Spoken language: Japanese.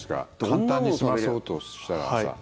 簡単に済まそうとしたら。